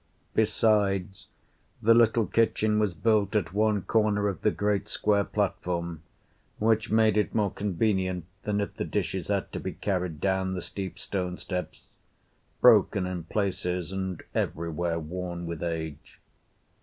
Besides, the little kitchen was built at one corner of the great square platform, which made it more convenient than if the dishes had to be carried down the steep stone steps, broken in places and everywhere worn with age.